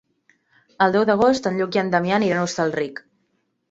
El deu d'agost en Lluc i en Damià aniran a Hostalric.